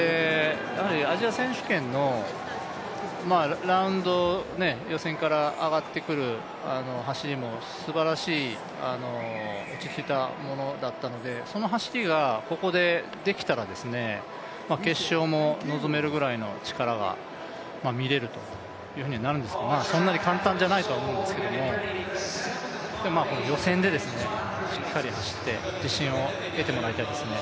アジア選手権のラウンド予選から上がってくる走りもすばらしい落ち着いたものだったので、その走りがここでできたら決勝も望めるぐらいの力が見れるとなるんですけど、そんなに簡単じゃないとは思うんですけれども、でも予選でしっかり走って自信を得てもらいたいですね。